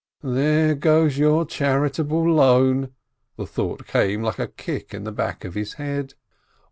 "There goes your charitable loan !" The thought came like a kick in the back of his head.